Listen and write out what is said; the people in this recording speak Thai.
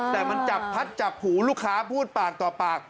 แต่มันจับพัดจับหูลูกค้าพูดปากต่อปาก